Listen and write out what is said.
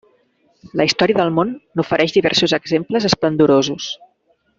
La història del món n'ofereix diversos exemples esplendorosos.